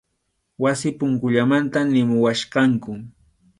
Wasi punkullamanta nimuwachkanku.